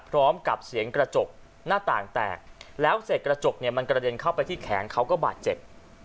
พร้อมกับเสียงกระจกหน้าต่างแตกแล้วเสร็จกระจกเนี่ยมันกระเด็นเข้าไปที่แขนเขาก็บาดเจ็บ